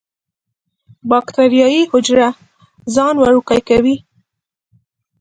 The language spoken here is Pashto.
باکټریايي حجره ځان وړوکی کوي.